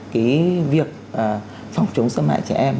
cái việc phòng chống xâm hại trẻ em